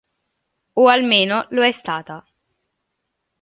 O almeno lo è stata.